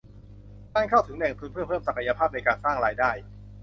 การเข้าถึงแหล่งทุนเพื่อเพิ่มศักยภาพในการสร้างรายได้